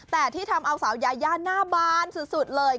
แต่ที่ทำเอาสาวยายาหน้าบานสุดเลย